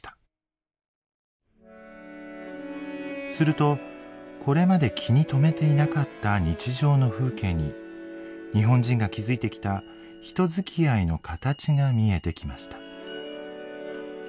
するとこれまで気に留めていなかった日常の風景に日本人が築いてきた人づきあいの形が見えてきました。